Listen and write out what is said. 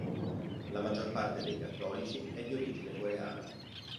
La maggior parte dei cattolici è di origine coreana.